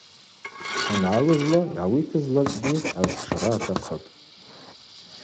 Хӏшангӏалызла йгӏауитызлакӏгьи агӏвхӏшара атахъыпӏ.